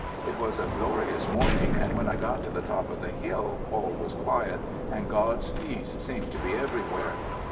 It was a glorious morning, and when I got to the top of the hill all was quiet and God's peace seemed to be everywhere.